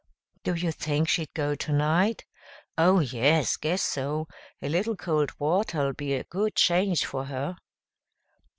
"Do you think she'd go tonight?" "Oh, yes! Guess so. A little cold water'll be a good change for her."